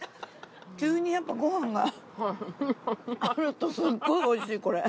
急にやっぱご飯があるとスゴいおいしいこれ。